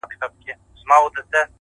هغه زما تيارې کوټې ته څه رڼا ورکوي;